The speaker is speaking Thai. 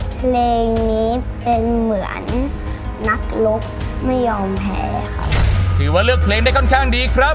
เพลงนี้เป็นเหมือนนักรบไม่ยอมแพ้ครับถือว่าเลือกเพลงได้ค่อนข้างดีครับ